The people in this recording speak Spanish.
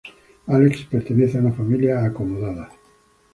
Álex pertenece a una familia acomodada.